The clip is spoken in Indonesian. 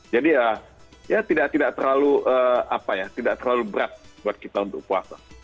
jadi ya tidak terlalu berat buat kita untuk puasa